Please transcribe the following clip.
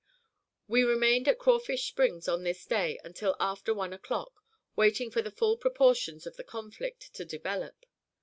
We remained at Crawfish Springs on this day until after one o'clock, waiting for the full proportions of the conflict to develop.